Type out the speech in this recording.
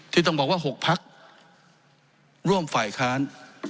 ที่ต้องบอกว่า๖พักร่วมฝ่ายค้าน